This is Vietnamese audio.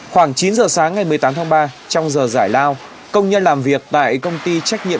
khoảng chín giờ sáng ngày một mươi tám tháng ba trong giờ giải lao công nhân làm việc tại công ty trách nhiệm